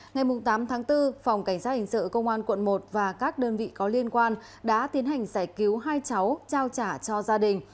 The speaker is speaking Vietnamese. ngày tám tháng bốn phòng cảnh sát hình sự công an quận một và các đơn vị có liên quan đã tiến hành giải cứu hai cháu trao trả cho gia đình